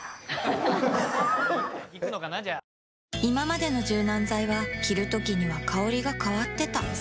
いままでの柔軟剤は着るときには香りが変わってた